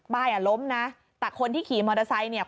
ป้ายล้มนะแต่คนที่ขี่มอเตอร์ไซค์